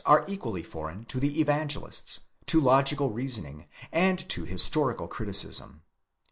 65 are equally foreign to the evangelists, to logical reasoning, and to historical criticism.